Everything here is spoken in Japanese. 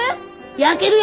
焼けるよ！